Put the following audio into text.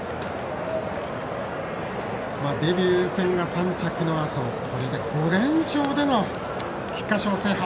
デビュー戦が３着のあとこれで５連勝での菊花賞制覇。